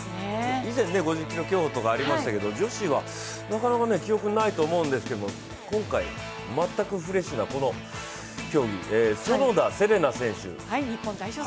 以前、５０ｋｍ競歩とかありましたが女子はなかなか記憶にないと思うんですけど今回、全くフレッシュなこの競技、園田世玲奈選手。